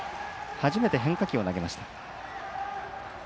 初めて変化球を投げました。